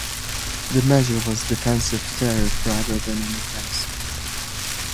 The measure was defensive tariff rather than an offensive.